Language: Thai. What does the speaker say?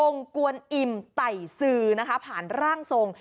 องค์กวนอิ่มไต่ซื้อผ่านร่างทรง